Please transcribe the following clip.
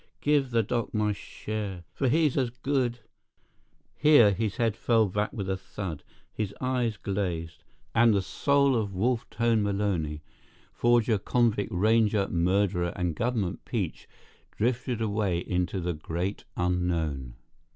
Give the doc my share, for he's as good—" Here his head fell back with a thud, his eye glazed, and the soul of Wolf Tone Maloney, forger, convict, ranger, murderer, and government peach, drifted away into the Great Unknown.